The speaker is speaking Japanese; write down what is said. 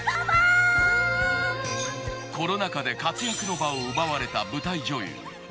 コロナ禍で活躍の場を奪われた舞台女優